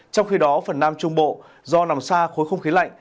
trong khi đó phần nam trung bộ do nằm xa khối không khí lạnh